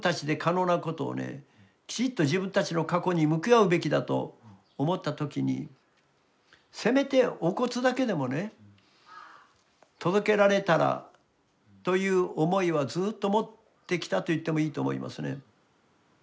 きちっと自分たちの過去に向き合うべきだと思った時にせめてお骨だけでもね届けられたらという思いはずっと持ってきたと言ってもいいと思いますね。